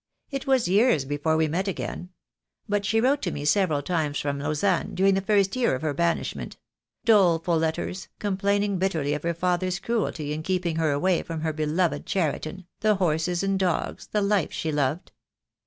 It was years before we met again; but she wrote to me several times from Lausanne, during the first year of her banishment; doleful letters, complaining bitterly of her father's cruelty in keeping her away from her beloved Cheriton, the horses and dogs, the life she loved.